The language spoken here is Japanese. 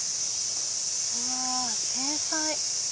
うわ繊細。